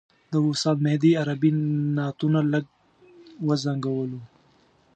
د استاد مهدي عربي نعتونو لږ وځنګولو.